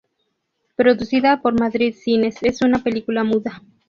Producida por Madrid Cines, es una película muda.